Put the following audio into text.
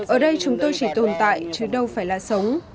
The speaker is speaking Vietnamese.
ở đây chúng tôi chỉ tồn tại chứ đâu phải là sống